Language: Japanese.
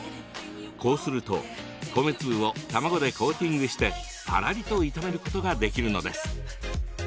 こうすると米粒を卵でコーティングしてパラリと炒めることができるのです。